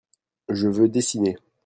Je veux dessiner.